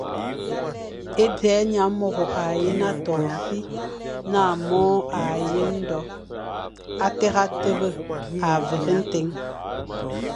E dza, nyamôro â yén a toʼo ô si, na mongo a yén do, â téré a tebe a vere ntén.